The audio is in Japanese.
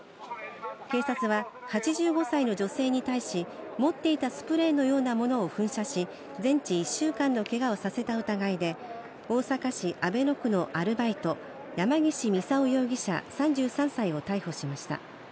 警察は８５歳の女性に対し、持っていたスプレーのようなものを噴射し、全治１週間のけがをさせた疑いで大阪市阿倍野区のアルバイト・山岸操容疑者、３３歳を逮捕しました。